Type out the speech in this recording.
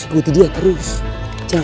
aku mau pergi ke rumah